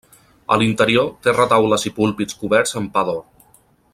A l'interior té retaules i púlpits coberts amb pa d'or.